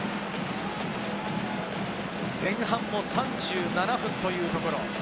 前半も３７分というところ。